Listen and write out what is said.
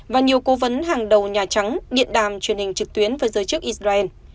và nhiều cố vấn hàng đầu nhà trắng điện đàm truyền hình trực tuyến với giới chức israel